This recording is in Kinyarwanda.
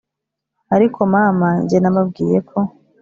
ariko mama jye nababwiye ko